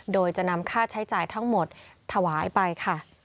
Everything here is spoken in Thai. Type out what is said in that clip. โดยจะนำค่าใช้จ่ายทั้งหมดถวายไปค่ะ